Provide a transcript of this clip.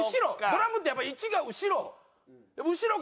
ドラムってやっぱ位置が後ろ。